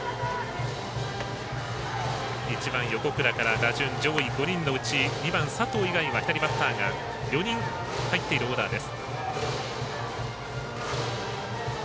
１番、横倉から打順上位５人のうち２番、佐藤以外は左バッターが４人入っているオーダーです。